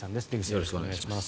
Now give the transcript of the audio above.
よろしくお願いします。